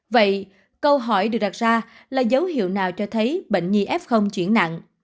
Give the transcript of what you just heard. vậy câu hỏi được đặt ra là dấu hiệu nào cho thấy bệnh nhi f chuyển nặng